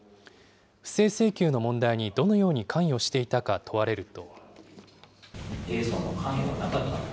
不正請求の問題にどのように関与していたか問われると。